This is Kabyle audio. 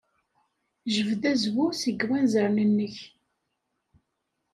Jbed azwu seg wanzaren-nnek.